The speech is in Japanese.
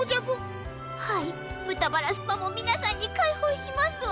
はいぶたバラスパもみなさんにかいほうしますわ。